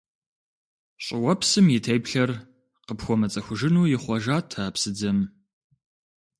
ЩӀыуэпсым и теплъэр къыпхуэмыцӀыхужыну ихъуэжат а псыдзэм.